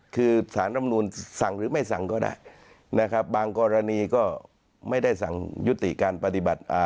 คือสารรำนูนสั่งหรือไม่สั่งก็ได้นะครับบางกรณีก็ไม่ได้สั่งยุติการปฏิบัติอ่า